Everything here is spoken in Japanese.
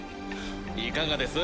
いかがです？